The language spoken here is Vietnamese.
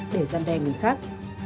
để gian đe người khác